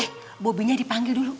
eh bobinya dipanggil dulu